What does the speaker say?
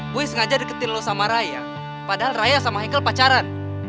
boy sengaja deketin lo sama raya padahal raya sama hekel pacaran